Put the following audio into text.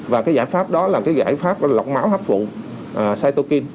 và cái giải pháp đó là cái giải pháp lọc máu hấp phụ saitukin